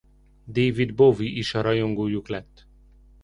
David Bowie is a rajongójuk lett.